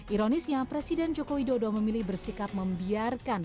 ironisnya presiden jokowi dodo memilih bersikap membiarkan